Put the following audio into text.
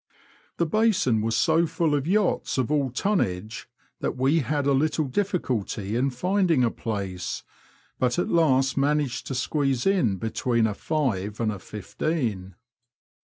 The basin was so full of yachts of all tonnage that we had a little difficulty in finding a place, but at last managed to squeeze in between a five'* and a fifteen."